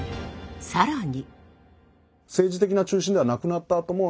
更に。